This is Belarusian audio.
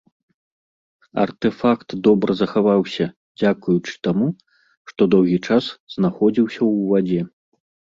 Артэфакт добра захаваўся дзякуючы таму, што доўгі час знаходзіўся ў вадзе.